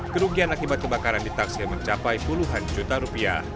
kerugian akibat kebakaran ditaksir mencapai puluhan juta rupiah